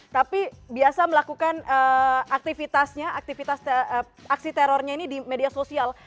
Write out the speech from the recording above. tapi biasa melakukan aktivitasnya aktivitas aksi terornya ini di media sosial